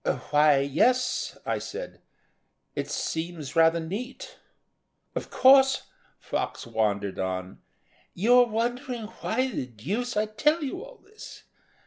"Why, yes," I said. "It seems rather neat." "Of course," Fox wandered on, "you are wondering why the deuce I tell you all this.